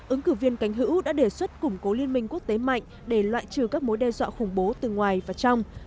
ứng cử viên cánh hữu đã đề xuất củng cố liên minh quốc tế mạnh để loại trừ các mối đe dọa khủng bố từ ngoài và trong